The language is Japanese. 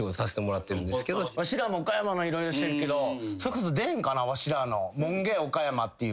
わしらも岡山の色々してるけどそれこそ出んかなぁ？